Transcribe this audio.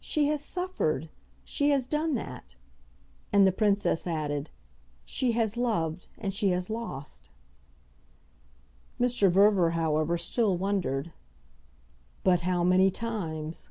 "She has suffered she has done that." And the Princess added: "She has loved and she has lost." Mr. Verver, however, still wondered. "But how many times."